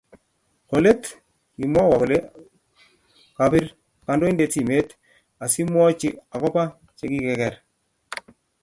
Kolet, kimwowo kole kapir kandoindet simet asiomwochi akopa chekikiker